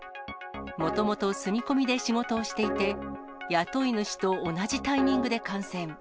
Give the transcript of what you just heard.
もともと住み込みで仕事をしていて、雇い主と同じタイミングで感染。